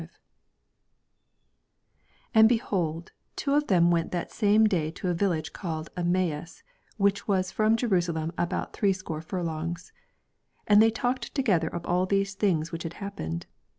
13 And, behold, two of them went that same day to a village called Emmaus, which was from Jerusalem db<y>jLt threescore furlongs. 14 And they talked together of all these things which had happened.